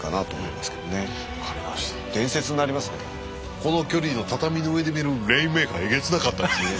この距離の畳の上で見るレインメーカーえげつなかったですね。